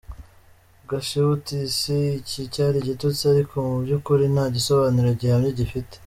Gashibutisi:Iki cyari igitutsi ariko mu by’ukuri nta gisobanuro gihamye gifite.